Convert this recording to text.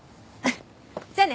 じゃあね。